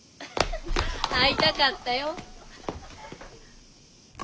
会いたかったよ。